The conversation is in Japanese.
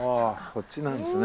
こっちなんですね。